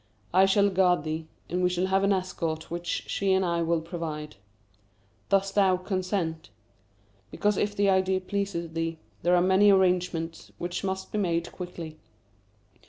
I shall guard thee, and we shall have an escort which she and I will provide. Dost thou consent? Because if the idea pleases thee, there are many arrangements which must be made quickly.